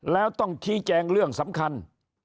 แล้วต้องชี้แจงเรื่องสำคัญ